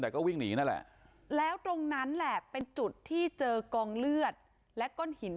ตอนนี้กำลังจะโดดเนี่ยตอนนี้กำลังจะโดดเนี่ย